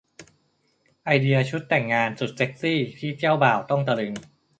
ไอเดียชุดแต่งงานสุดเซ็กซี่ ที่เจ้าบ่าวต้องตะลึง